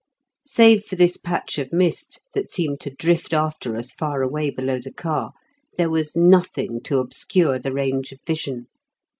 Save for this patch of mist, that seemed to drift after us far away below the car, there was nothing to obscure the range of vision.